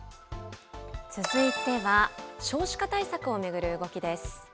続いては、少子化対策を巡る動きです。